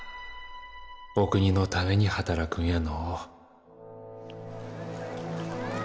お国のために働くんやの